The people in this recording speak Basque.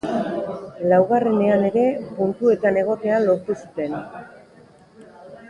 Laugarrenean ere puntuetan egotea lortu zuten.